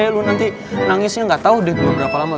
lo nanti nangisnya gak tau deh berapa lama